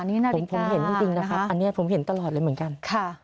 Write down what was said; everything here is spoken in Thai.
นี่นาฬิกาผมเห็นจริงจริงนะครับอันเนี้ยผมเห็นตลอดเลยเหมือนกันค่ะ